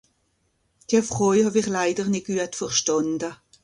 Dia Froj hàw-ìch leider nìt güat verstànda.